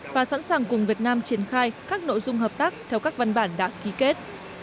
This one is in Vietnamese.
và sẵn sàng cùng việt nam triển khai các nội dung hợp tác theo các văn bản đã ký kết